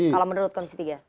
kalau menurut komisi tiga